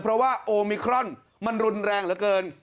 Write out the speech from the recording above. เพราะว่าโอมิครอนมันรุนแรงเหลือเกิน